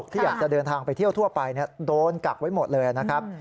ที่อยากจะเดินทางไปเที่ยวทั่วไปโดนกักไว้หมดเลยนะครับ